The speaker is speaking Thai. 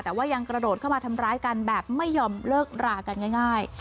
แต่ว่ายังกระโดดเข้ามาทำร้ายกันแบบไม่ยอมเลิกรากันง่าย